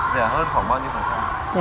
rẻ hơn khoảng bao nhiêu phần trăm